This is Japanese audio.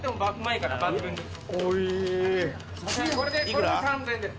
これで３０００円です。